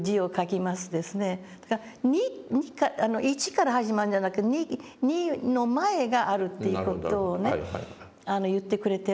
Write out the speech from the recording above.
だから１から始まるんじゃなくて２の前があるっていう事をね言ってくれてるんですよね。